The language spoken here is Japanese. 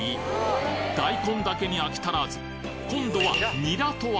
大根だけに飽き足らず今度はニラとは！